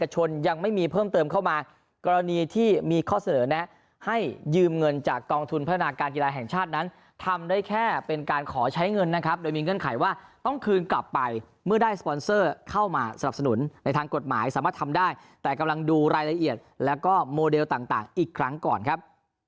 ยังไม่มีเพิ่มเติมเข้ามากรณีที่มีข้อเสนอแนะให้ยืมเงินจากกองทุนพัฒนาการกีฬาแห่งชาตินั้นทำได้แค่เป็นการขอใช้เงินนะครับโดยมีเงื่อนไขว่าต้องคืนกลับไปเมื่อได้สปอนเซอร์เข้ามาสนับสนุนในทางกฎหมายสามารถทำได้แต่กำลังดูรายละเอียดแล้วก็โมเดลต่างอีกครั้งก่อนครับ